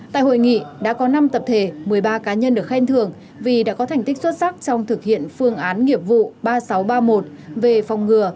tại hội nghị đã có năm tập thể một mươi ba cá nhân được khen thường vì đã có thành tích xuất sắc trong thực hiện phương án nghiệp vụ ba nghìn sáu trăm ba mươi một về phòng ngừa